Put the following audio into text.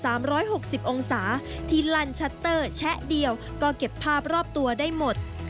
ร้อยหกสิบองศาที่ลั่นชัตเตอร์แชะเดียวก็เก็บภาพรอบตัวได้หมด